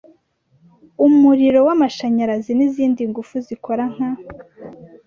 umuriro w amashanyarazi n izindi ngufu zikora nka